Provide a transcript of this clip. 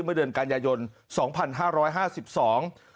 เมื่อเดือนการยะยนต์๒๕๕๒บาท